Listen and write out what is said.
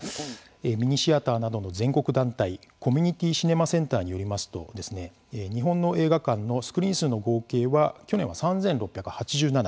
ミニシアターなどの全国団体「コミュニティシネマセンター」によりますと日本の映画館のスクリーン数の合計は去年は３６８７。